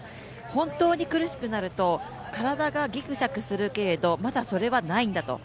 本当に苦しくなると体がぎくしゃくするけれどまだそれはないんだと。